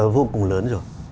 vô cùng lớn rồi